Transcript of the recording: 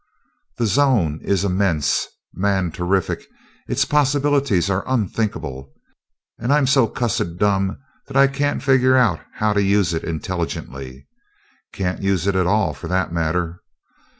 That zone is immense, man terrific its possibilities are unthinkable and I'm so cussed dumb that I can't find out how to use it intelligently can't use it at all, for that matter.